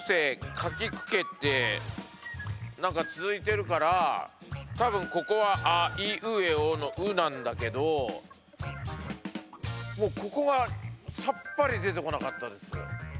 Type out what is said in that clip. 「かきくけ」って何か続いてるから多分ここは「あいうえお」の「う」なんだけどもうここがさっぱり出てこなかったです。